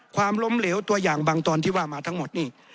ความล้มเหลวตัวอย่างบางตอนที่ว่ามาทั้งหมดนี่